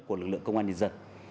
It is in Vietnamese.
của lực lượng công an nhân dân